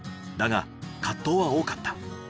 だが葛藤は多かった。